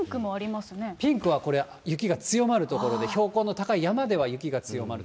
ピンクはこれ、雪が強まる所で、標高の高い山では雪が強まる。